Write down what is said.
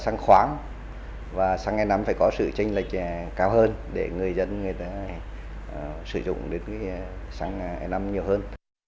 xăng khoáng và xăng e năm phải có sự tranh lệch cao hơn để người dân người ta sử dụng đến xăng e năm nhiều hơn